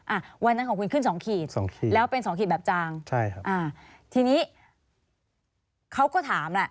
อ่ะวันนั้นของคุณขึ้น๒ขีดแล้วเป็น๒ขีดแบบจางอ่ะทีนี้เขาก็ถามล่ะ